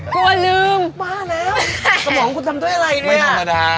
กลัวลืมป้าแล้วสมองคุณทำด้วยอะไรเนี่ยไม่ธรรมดา